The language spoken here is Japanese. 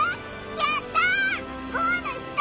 やった！